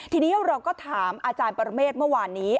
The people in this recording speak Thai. ทีนี้เราก็ถามอาจารย์ปรเมฆเมื่อวานนี้